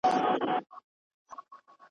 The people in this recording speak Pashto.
جنازه مي ور اخیستې کندهار په سترګو وینم `